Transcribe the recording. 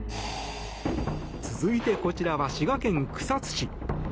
続いてこちらは、滋賀県草津市。